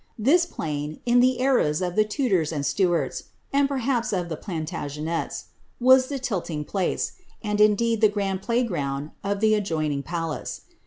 This plain, in the eras of the Tudors and Stuarts, (and perhaps of the Plantagenets,') was the tilting place, and indeed the grand play ground of the adjoining palace.